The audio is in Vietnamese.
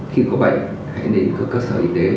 khi có bệnh hãy đến cơ sở y tế